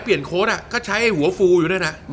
เปลี่ยนโค้ดก็ใช้หัวฟูอยู่ด้วยนะ